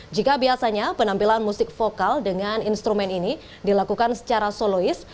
jika biasanya penampilan musik vokal dengan instrumen ini dilakukan secara solois